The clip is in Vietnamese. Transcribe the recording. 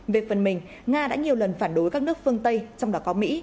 về phần mình nga đã nhiều lần phản đối các nước phương tây trong đó có mỹ